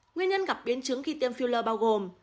nguyên nhân gặp biến chứng khi tiêm filler bao gồm